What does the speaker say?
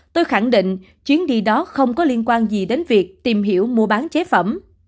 tôi khẳng định chuyến đi đó không có liên quan gì đến việc tìm hiểu mua bán chế phẩm